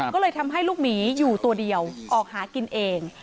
ก็เลยทำให้ลูกหมีอยู่ตัวเดียวออกหากินเอง